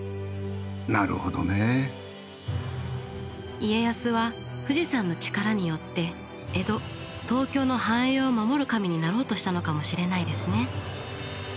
家康は富士山の力によって江戸東京の繁栄を守る神になろうとしたのかもしれないですね。